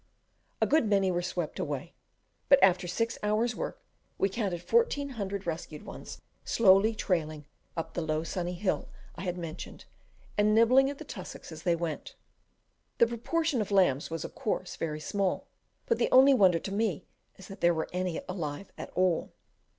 A good many were swept away, but after six hours' work we counted 1,400 rescued ones slowly "trailing" up the low sunny hill I have mentioned, and nibbling at the tussocks as they went. The proportion of lambs was, of course, very small, but the only wonder to me is that there were any alive at all.